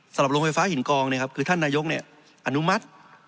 โรงไฟฟ้าหินกองคือท่านนายกอนุมัติ